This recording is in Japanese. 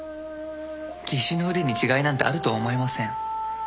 技師の腕に違いなんてあるとは思えません。